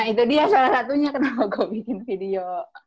nah itu dia salah satunya kenapa gua bikin video